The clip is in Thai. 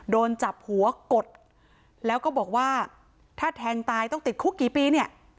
โดนจับหัวกดแล้วก็บอกว่าถ้าแทงตายต้องติดคุกกี่ปีเนี่ย